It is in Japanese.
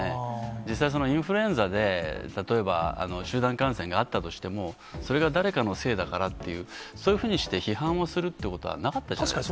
実際、インフルエンザで、例えば集団感染があったとしても、それが誰かのせいだからっていう、そういうふうにして批判をするってことは、なかったじゃないです